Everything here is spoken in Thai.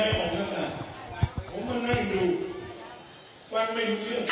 ผมก็นั่งดูฟังไม่ดูเยอะ